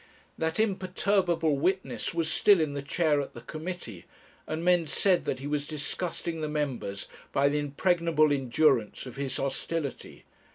That imperturbable witness was still in the chair at the committee, and men said that he was disgusting the members by the impregnable endurance of his hostility.